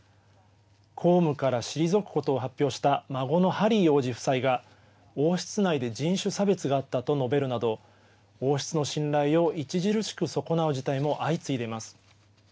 公務から退くことを発表した孫のハリー王子夫妻が王室内で人種差別があったと述べるなど王室の信頼を著しく損なう事態も相次いでいます。